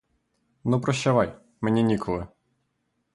Ну прощавай, мені ніколи.